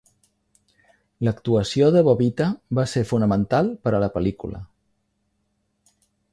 L'actuació de Bobita va ser fonamental per a la pel·lícula.